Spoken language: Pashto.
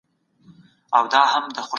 خپل ځان له هر ډول اندېښنې ژغورئ.